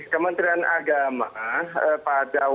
kementerian agama pada